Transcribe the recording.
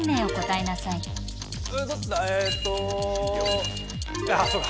えっとあっそっか。